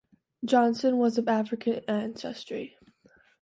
Johnson was of African ancestry.